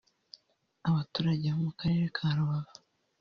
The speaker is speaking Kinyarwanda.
Abaturage bo mu Karere ka Rubavu